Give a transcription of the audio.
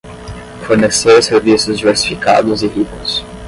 Fornecer serviços diversificados e ricos